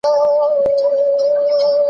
کوم تمرین عضلات قوي کوي؟